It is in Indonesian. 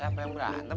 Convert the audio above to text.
kagak ada yang berantem